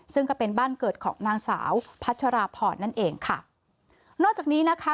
ซึ่งก็เป็นบ้านเกิดของนางสาวพัชราพรนั่นเองค่ะนอกจากนี้นะคะ